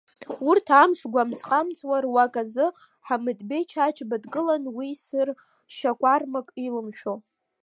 Урҭ амш гуамҵхамҵқуа руак азы, Ҳамыҭбеи Чачба дгылан уисыр шьакуармак илымшәо.